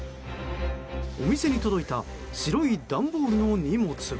お店に届いた白い段ボールの荷物。